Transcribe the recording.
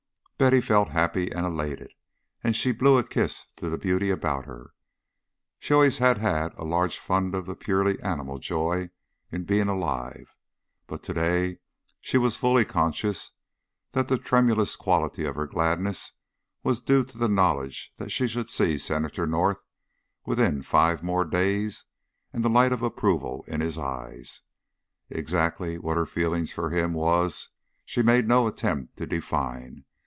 Betty felt happy and elated, and blew a kiss to the beauty about her. She always had had a large fund of the purely animal joy in being alive, but to day she was fully conscious that the tremulous quality of her gladness was due to the knowledge that she should see Senator North within five more days and the light of approval in his eyes. Exactly what her feeling for him was she made no attempt to define.